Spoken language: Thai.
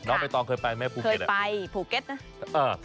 ใบตองเคยไปไหมภูเก็ตเคยไปภูเก็ตนะ